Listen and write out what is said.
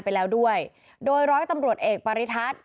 ไปแล้วด้วยโดยร้อยตำรวจเอกปริทัศน์